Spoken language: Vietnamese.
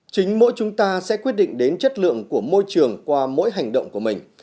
chính mỗi chúng ta sẽ quyết định đến chất lượng của môi trường qua mỗi hành động của mình